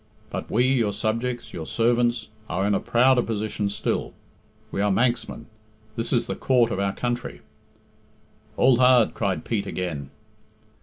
But we, your subjects, your servants, are in a prouder position still. We are Manxmen. This is the Court of our country." "Hould hard," cried Pete again.